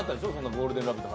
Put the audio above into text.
「ゴールデンラヴィット！」